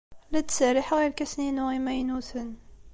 La ttserriḥeɣ irkasen-inu imaynuten.